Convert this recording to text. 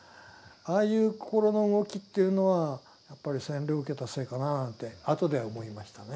ああいうこころの動きというのはやっぱり洗礼を受けたせいかななんてあとで思いましたね。